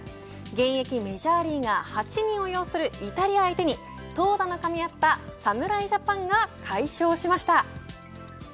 現役メジャーリーガー８人を擁するイタリア相手に投打のかみ合った侍ジャパンが快勝しました。